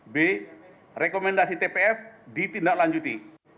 b rekomendasi tpf ditindaklanjuti